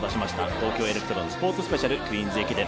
東京エレクトロンスポーツスペシャル、クイーンズ駅伝。